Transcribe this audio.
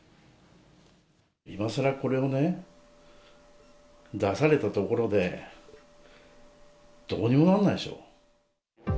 今さらこれをね、出されたところで、どうにもならないでしょ。